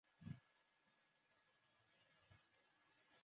本页面列出明朝自明兴宗及明惠宗分封的藩王。